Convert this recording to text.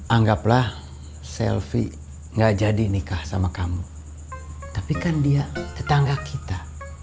anggaplah selfie gak jadi nikah sama kamu tapi kan dia tetangga kita